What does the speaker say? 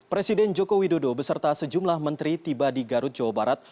presiden joko widodo beserta sejumlah menteri tiba di garut jawa barat